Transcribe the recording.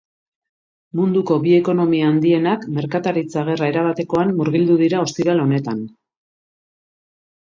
Munduko bi ekonomia handienak merkataritza gerra erabatekoan murgildu dira ostiral honetan.